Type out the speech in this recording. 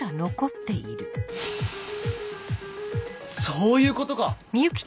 そういうことか！